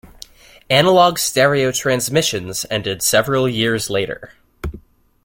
Analog stereo transmissions ended several years later.